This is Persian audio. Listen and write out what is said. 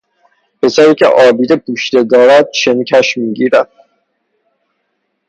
پسری که آبی پوشیده دارد شن کش می گیرد.